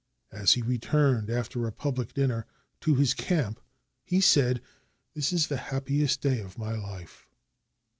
As he returned, after a public dinner, to his camp, he said, "This is the happiest day of my life."